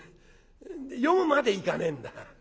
読むまでいかねえんだ。